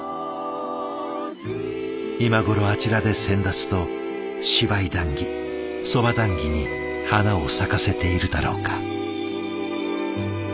今頃あちらで先達と芝居談議そば談議に花を咲かせているだろうか。